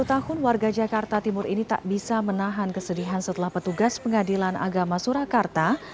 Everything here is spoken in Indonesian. sepuluh tahun warga jakarta timur ini tak bisa menahan kesedihan setelah petugas pengadilan agama surakarta